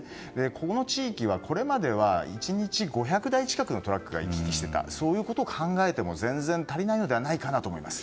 この地域は、これまでは１日５００台近くのトラックが行き来していたことを考えても全然足りないのではないかなと思います。